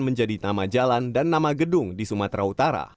menjadi nama jalan dan nama gedung di sumatera utara